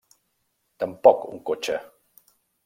Tampoc un cotxe.